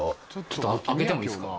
ちょっと開けてもいいですか？